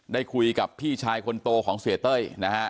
ได้คุยกับพี่ชายคนโตของเสียเต้ยนะฮะ